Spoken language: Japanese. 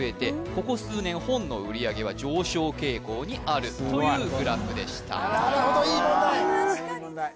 ここ数年本の売り上げは上昇傾向にあるというグラフでしたなるほどいい問題いい問題